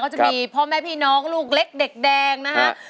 จะมีพ่อแม่พี่น้องลูกเล็กเด็กแดงนะฮะ